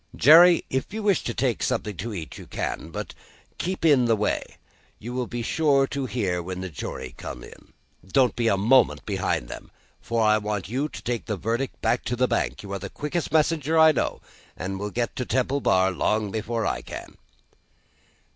"Jerry, if you wish to take something to eat, you can. But, keep in the way. You will be sure to hear when the jury come in. Don't be a moment behind them, for I want you to take the verdict back to the bank. You are the quickest messenger I know, and will get to Temple Bar long before I can."